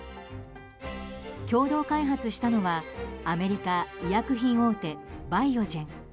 共同開発したのはアメリカ医薬品大手バイオジェン。